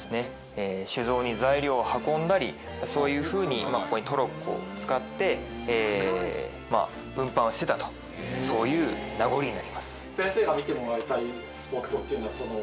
酒蔵に材料を運んだりそういうふうにトロッコを使って運搬をしてたとそういう名残になります。